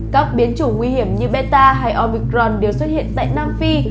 các biến chủng nguy hiểm như beta hay obicron đều xuất hiện tại nam phi